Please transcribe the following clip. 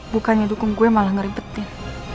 bukannya dukung gue malah ngeribetin